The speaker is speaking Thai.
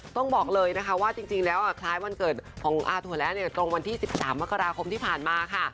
ต้องบอกเลยนะคะว่าจริงแล้วคล้ายวันเกิดของอาถั่วแร้ตรงวันที่๑๓มกราคมที่ผ่านมาค่ะ